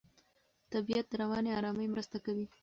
طبیعت د رواني آرامۍ مرسته کوي.